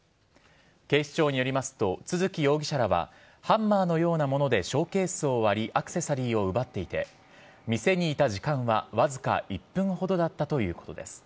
警視庁によりますと、都築容疑者らは、ハンマーのようなものでショーケースを割り、アクセサリーを奪っていて、店にいた時間は僅か１分ほどだったということです。